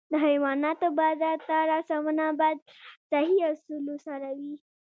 د حیواناتو بازار ته رسونه باید له صحي اصولو سره وي.